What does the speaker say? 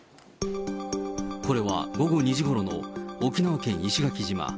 これは午後２時ごろの沖縄県石垣島。